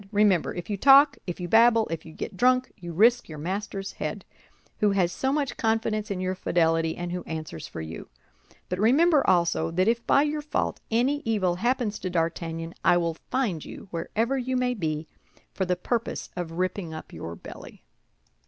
Remember, if you talk, if you babble, if you get drunk, you risk your master's head, who has so much confidence in your fidelity, and who answers for you. But remember, also, that if by your fault any evil happens to D'Artagnan, I will find you, wherever you may be, for the purpose of ripping up your belly."